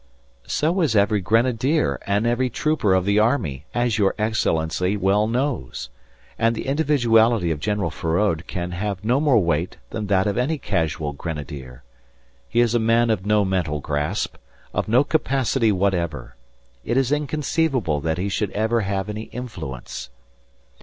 "So is every grenadier and every trooper of the army, as your Excellency well knows. And the individuality of General Feraud can have no more weight than that of any casual grenadier. He is a man of no mental grasp, of no capacity whatever. It is inconceivable that he should ever have any influence."